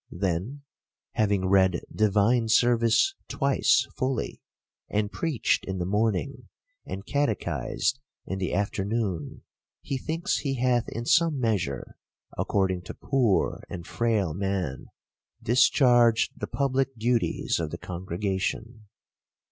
Then, having read divine service twice fully, and preached in the morning, and catechised in the afternoon, he thinks he hath in some measure, according to poor and frail man, discharged the public duties of the congregation.